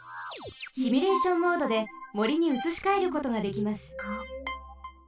シミュレーションモードでもりにうつしかえることができます。